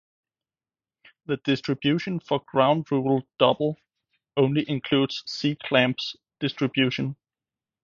The distribution for “Ground Rule Double” only includes C-Clamp’s contribution.